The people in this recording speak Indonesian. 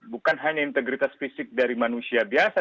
bukan hanya integritas fisik dari manusia biasa